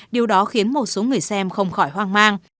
điều đó khiến một số người xem không khỏi hoang mang